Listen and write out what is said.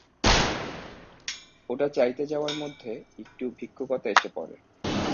ওটা চাইতে যাওয়ার মধ্যে একটু ভিক্ষুকতা এসে পড়ে।